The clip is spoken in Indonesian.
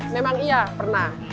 memang iya pernah